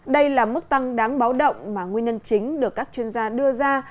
đây là mức tăng đáng báo động mà nguyên nhân chính được các chuyên gia đưa ra